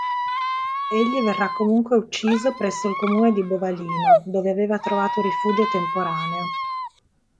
Egli verrà comunque ucciso presso il comune di Bovalino, dove aveva trovato rifugio temporaneo.